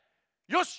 よし！